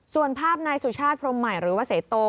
ส่วนภาพนายสุชาติพรมใหม่หรือว่าเสโต